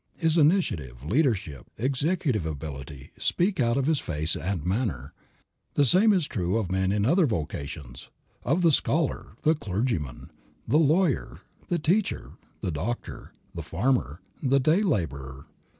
His initiative, leadership, executive ability, speak out of his face and manner. The same is true of men in other vocations, of the scholar, the clergyman, the lawyer, the teacher, the doctor, the farmer, the day laborer.